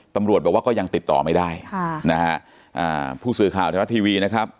ตำรวจบอกว่าก็ยังติดต่อไม่ได้ค่ะนะฮะอ่าผู้สื่อข่าวไทยรัฐทีวีนะครับ